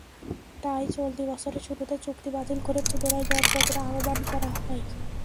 তাই চলতি বছরের শুরুতে চুক্তি বাতিল করে পুনরায় দরপত্র আহ্বান করা হয়।